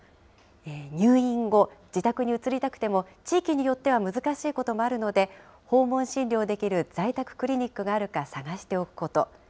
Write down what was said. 入院後、自宅に移りたくても、地域によっては難しいこともあるので、訪問診療できる在宅クリニックがあるか探しておくこと。